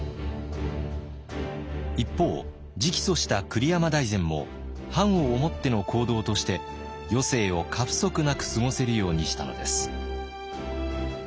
一方直訴した栗山大膳も藩を思っての行動として余生を過不足なく過ごせるようにしたのです。